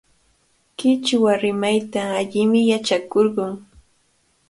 Qichwa rimayta allimi yachakurqun.